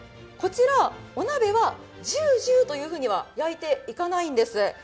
こちらお鍋はジュージューというふうには焼いていかないんです。